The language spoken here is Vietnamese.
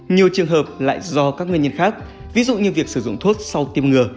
nhiều trường hợp lại do các nguyên nhân khác ví dụ như việc sử dụng thuốc sau tiêm ngừa